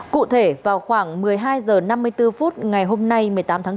cụ thể vào khoảng một mươi hai h năm mươi bốn phút ngày hôm nay một mươi tám tháng bốn